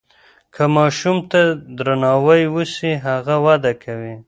که ماشوم ته درناوی وسي هغه وده کوي.